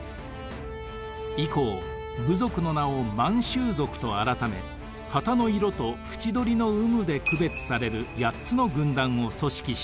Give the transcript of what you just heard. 以降部族の名を満州族と改め旗の色と縁取りの有無で区別される８つの軍団を組織します。